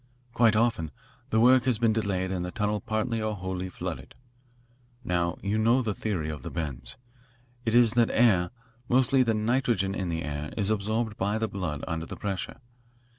Quite often the work has been delayed and the tunnel partly or wholly flooded. Now, you know the theory of the bends. It is that air mostly the nitrogen in the air is absorbed by the blood under the pressure.